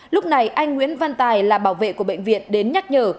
lúc này anh nguyễn văn tài là bảo vệ của bệnh viện đến nhắc nhở